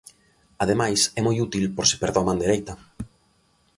Ademais é moi útil por se perdo a man dereita.